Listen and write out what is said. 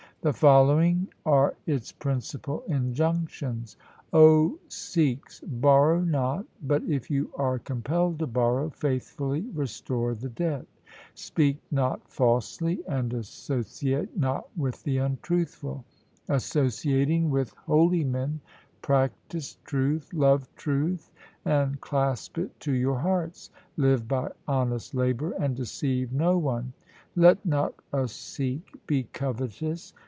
The following are its principal injunctions :' O Sikhs, borrow not, but, if you are compelled to borrow, faithfully restore the debt. Speak not falsely and associate not with the untruthful. Associating with 1 Guru Arjan, Maru ki War II. LIFE OF GURU GOBIND SINGH 117 holy men, practise truth, love truth, and clasp it to your hearts. Live by honest labour and deceive no one. Let not a Sikh be covetous.